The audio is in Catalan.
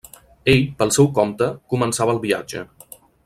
Ell, pel seu compte, començava el viatge.